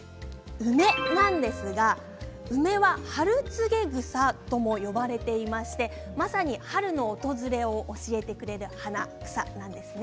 梅なんですが梅は春告草とも呼ばれていましてまさに春の訪れを教えてくれる花、草なんです。